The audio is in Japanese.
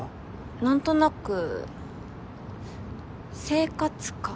何となく生活感？